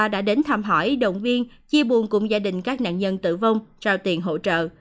đã đến thăm hỏi động viên chia buồn cùng gia đình các nạn nhân tử vong trao tiền hỗ trợ